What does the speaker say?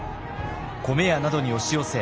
米屋などに押し寄せ